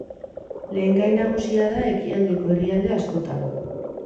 Lehengai nagusia da Ekialdeko herrialde askotan.